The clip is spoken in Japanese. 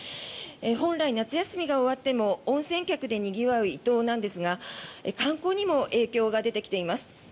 本来夏休みが終わっても温泉客でにぎわう伊東なんですが観光にも影響が出てきています。